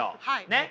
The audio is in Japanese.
ねっ？